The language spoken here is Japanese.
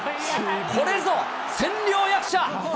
これぞ千両役者。